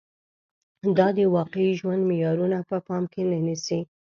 دا د واقعي ژوند معيارونه په پام کې نه نیسي